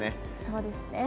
そうですね。